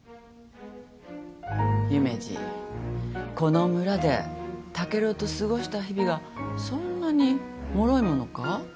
夢二この村で竹郎と過ごした日々はそんなにもろいものか？